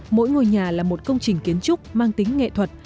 mỗi ngôi nhà là một công trình kiến trúc mang tính nghệ thuật